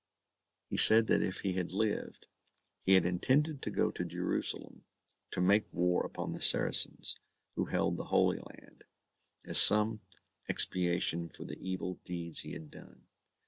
He said that if he had lived, he had intended to go to Jerusalem to make war upon the Saracens who held the Holy Land, as some expiation for the evil deeds he had done.